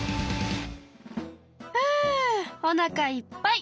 ふおなかいっぱい！